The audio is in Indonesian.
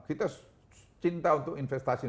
kita cinta untuk investasi